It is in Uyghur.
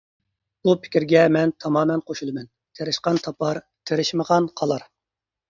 بۇ پىكىرگە مەن تامامەن قوشۇلىمەن. تىرىشقان تاپار، تىرىشمىغان قالار!